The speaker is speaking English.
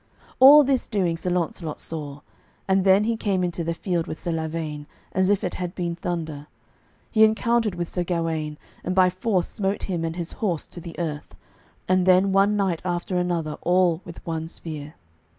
All this doing Sir Launcelot saw, and then he came into the field with Sir Lavaine, as if it had been thunder. He encountered with Sir Gawaine, and by force smote him and his horse to the earth, and then one knight after another all with one spear.